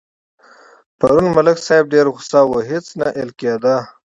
پرون ملک صاحب ډېر غوسه و هېڅ نه اېل کېدا.